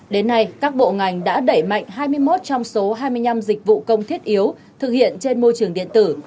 đến nay các bộ ngành đã đẩy mạnh hai mươi một trong số hai mươi năm dịch vụ công thiết yếu thực hiện trên môi trường điện tử